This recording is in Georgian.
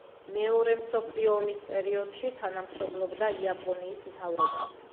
მეორე მსოფლიო ომის პერიოდში თანამშრომლობდა იაპონიის მთავრობასთან.